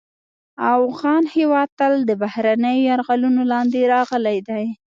افغان هېواد تل د بهرنیو یرغلونو لاندې راغلی دی